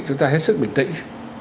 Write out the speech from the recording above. chúng ta hết sức bình tĩnh